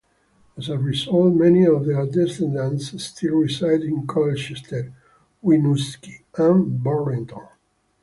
As a result, many of their descendants still reside in Colchester, Winooski and Burlington.